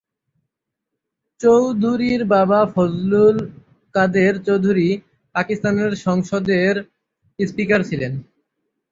চৌধুরীর বাবা ফজলুল কাদের চৌধুরী পাকিস্তানের সংসদের স্পিকার ছিলেন।